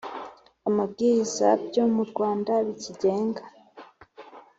amabwiriza byo mu Rwanda bikigenga